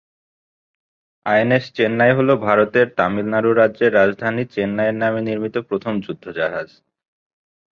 INS Chennai হ'ল ভারতের তামিলনাড়ু রাজ্যের রাজধানী চেন্নাইয়ের নামে নির্মিত প্রথম যুদ্ধজাহাজ।